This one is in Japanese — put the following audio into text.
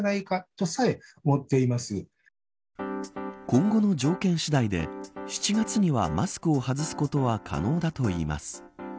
今後の条件次第で７月にはマスクを外すことは可能だといいます。